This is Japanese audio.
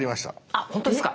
あっほんとですか？